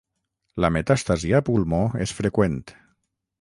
La metàstasi a pulmó és freqüent.